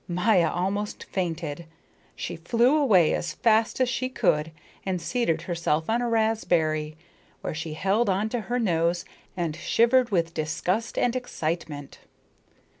Maya almost fainted. She flew away as fast as she could and seated herself on a raspberry, where she held on to her nose and shivered with disgust and excitement.